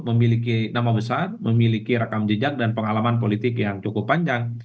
memiliki nama besar memiliki rekam jejak dan pengalaman politik yang cukup panjang